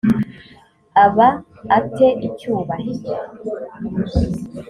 aba a te icyubahiro